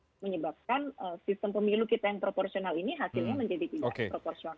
yang menyebabkan sistem pemilu kita yang proporsional ini hasilnya menjadi tidak proporsional